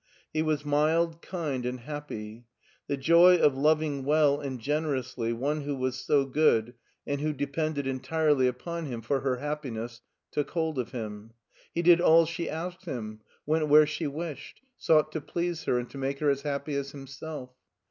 He was mild, kind, and happy. The joy of loving wefl and generously one who was so good and who de LEIPSIC 143 pended entirely upon him for her happiness took hold of him. He did all she asked him, went where she wished, sought to please her and to make her as happy as himself.